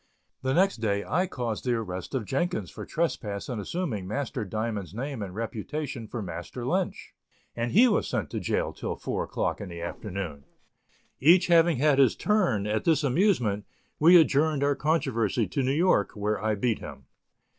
The next day I caused the arrest of Jenkins for trespass in assuming Master Diamond's name and reputation for Master Lynch, and he was sent to jail till four o'clock in the afternoon. Each having had his turn at this amusement, we adjourned our controversy to New York where I beat him.